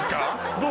⁉どう？